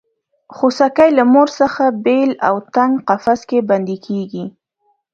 خوسکی له مور څخه بېل او تنګ قفس کې بندي کېږي.